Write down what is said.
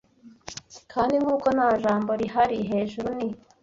Kandi nkuko nta jambo rihari hejuru, ni,